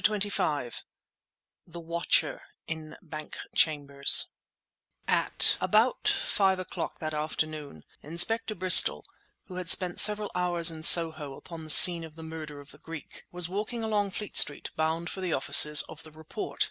CHAPTER XXV THE WATCHER IN BANK CHAMBERS At about five o'clock that afternoon Inspector Bristol, who had spent several hours in Soho upon the scene of the murder of the Greek, was walking along Fleet Street, bound for the offices of the Report.